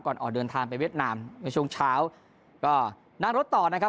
ออกเดินทางไปเวียดนามในช่วงเช้าก็นั่งรถต่อนะครับ